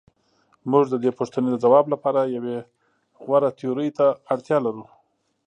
موږ د دې پوښتنې د ځواب لپاره یوې غوره تیورۍ ته اړتیا لرو.